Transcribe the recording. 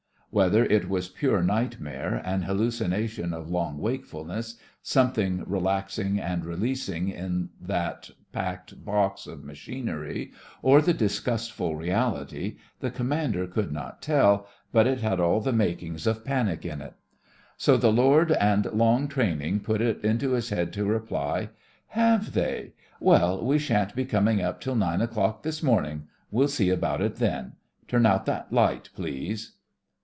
Whether it was THE FRINGES OF THE FLEET 55 pure nightmare, an hallucination of long wakefulness, something relaxing and releasing in that packed box of machinery, or the disgustful reality, the commander could not tell, but it had all the makings of panic in it. So the Lord and long training put it into his head to reply! "Have they? Well, we shan't be coming up till nine o'clock this morning. We'll see about it then. Turn out that light, please."